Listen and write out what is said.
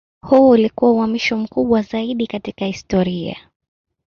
Huu ulikuwa uhamisho mkubwa zaidi katika historia.